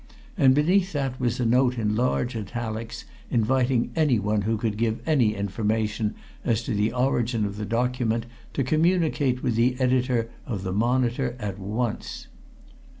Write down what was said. And beneath that was a note in large italics inviting anyone who could give any information as to the origin of the document to communicate with the Editor of the Monitor, at once.